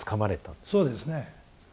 そうですね。